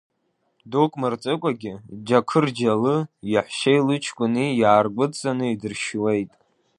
Дук мырҵыкәагьы Чақырџьалы иаҳәшьеи лычкәыни иааргәыдҵаны идыршьуеит.